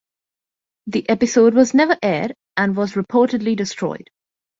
The episode was never aired and was reportedly destroyed.